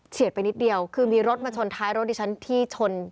ไปนิดเดียวคือมีรถมาชนท้ายรถดิฉันที่ชน